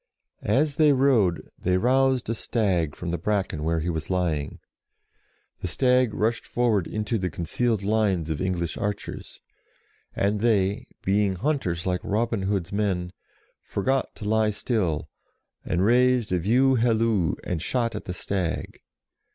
As they rode they roused a stag from the bracken where he was lying : the stag rushed forward into the concealed lines of English archers, and they, being hunters like Robin Hood's men, forgot to lie still, and raised a view halloo, and shot at the stag.